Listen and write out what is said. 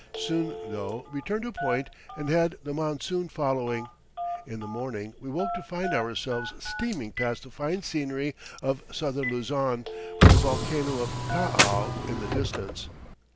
Soon, though, we turned a point and had the monsoon following. In the morning we woke to find ourselves steaming past the fine scenery of southern Luzon, with the volcano of Taal in the distance.